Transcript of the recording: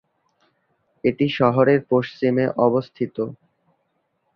এটি শহরের পশ্চিমে অবস্থিত।